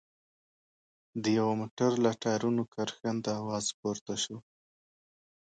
د يوه موټر له ټايرونو کرښنده اواز پورته شو.